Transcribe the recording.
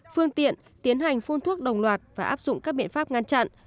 phương tiện tiến hành phun thuốc đồng loạt và áp dụng các biện pháp ngăn chặn